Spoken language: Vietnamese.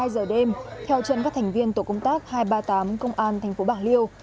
một mươi hai giờ đêm theo trận các thành viên tổ công tác hai trăm ba mươi tám công an tp bạc liêu